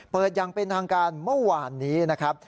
อย่างเป็นทางการเมื่อวานนี้นะครับ